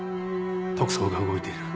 特捜が動いている。